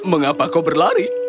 mengapa kau berlari